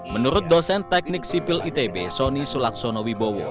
menurut dosen teknik sipil itb sonny sulaksono wibowo